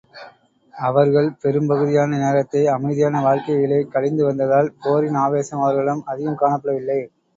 அவர்கள் பெரும்பகுதியான நேரத்தை அமைதியான வாழ்க்கையிலே கழிந்து வந்ததால், போரின் ஆவேசம் அவர்களிடம் அதிகம் காணப்பட வில்லை.